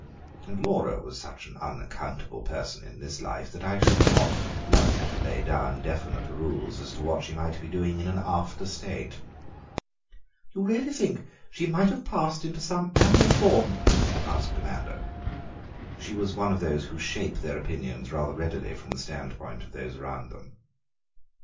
And Laura was such an unaccountable person in this life that I should not like to lay down definite rules as to what she might be doing in an after state." "You think she really might have passed into some animal form?" asked Amanda. She was one of those who shape their opinions rather readily from the standpoint of those around them.